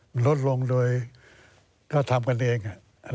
มันลดลงโดยก็ทำกันเอง